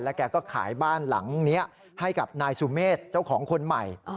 แกก็ขายบ้านหลังนี้ให้กับนายสุเมฆเจ้าของคนใหม่